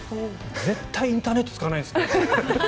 絶対にインターネット使わないんですね。